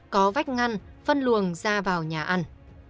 có vách ngăn phân luồng ra vào nhà ăn